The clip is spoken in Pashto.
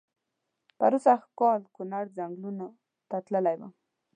زه پرو سږ کال کونړ ځنګلونو ته تللی وم.